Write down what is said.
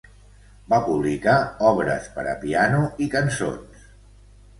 Va publicar obres per a piano i cançons.